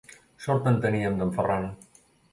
Sort en teníem d'en Ferran.